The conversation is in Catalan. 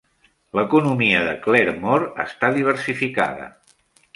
L'economia de Claremore està diversificada.